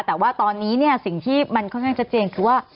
แต่ว่าตอนนี้สิ่งที่มันค่อนข้างชัดเจนคือว่า